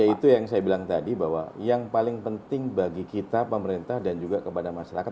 ya itu yang saya bilang tadi bahwa yang paling penting bagi kita pemerintah dan juga kepada masyarakat